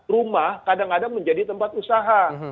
rumah kadang kadang menjadi tempat usaha